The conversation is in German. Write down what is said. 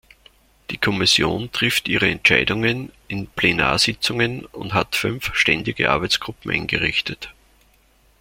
Die Kommission trifft ihre Entscheidungen in Plenarsitzungen und hat fünf ständige Arbeitsgruppen eingerichtet.